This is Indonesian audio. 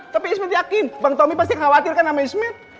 tapi ismet yakin bang tommy pasti khawatir kan sama ismet